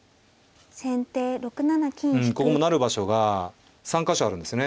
うんここも成る場所が３か所あるんですね。